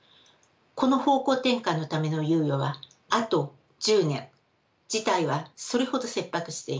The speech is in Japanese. この方向転換のための猶予はあと１０年事態はそれほど切迫しています。